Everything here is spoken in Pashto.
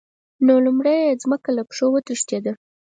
نو لومړی یې ځمکه له پښو وتښتېده.